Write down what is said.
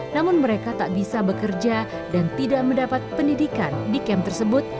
namun mereka tak bisa bekerja dan tidak mendapat pendidikan di kem tersebut